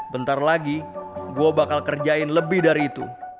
bentar lagi gue bakal kerjain lebih dari itu